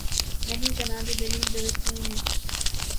نہیں جناب، یہ دلیل درست نہیں ہے۔